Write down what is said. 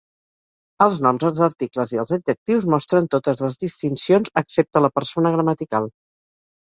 Els noms, els articles i els adjectius mostren totes les distincions excepte la persona gramatical.